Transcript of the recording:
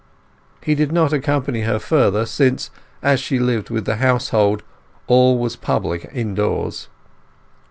He did not accompany her further, since, as she lived with the household, all was public indoors.